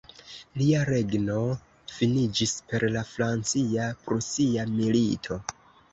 Lia regno finiĝis per la Francia-Prusia Milito.